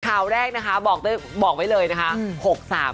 ข่าวแรกนะคะบอกไว้เลยนะคะ